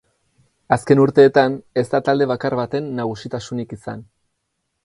Azken urteetan ez da talde bakar baten nagusitasunik izan.